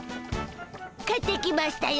帰ってきましたよ